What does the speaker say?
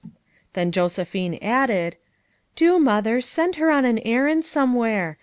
Then Josephine added, "Do, Mother, send her on an errand somewhere.